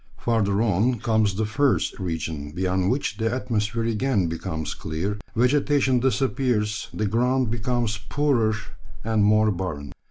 Further on comes the furze region, beyond which the atmosphere again becomes clear, vegetation disappears, the ground becomes poorer and more barren.